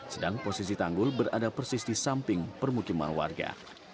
sedang posisi tanggul berada persis di samping permukiman warga